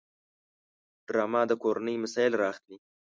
ډرامه د کورنۍ مسایل راخلي